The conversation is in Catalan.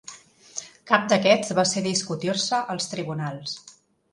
Cap d'aquests va ser discutir-se als tribunals.